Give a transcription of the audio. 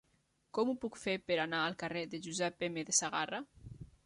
Com ho puc fer per anar al carrer de Josep M. de Sagarra?